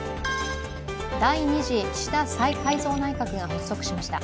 第２次岸田再改造内閣が発足しました。